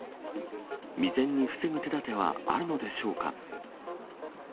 未然に防ぐ手立てはあるのでしょうか。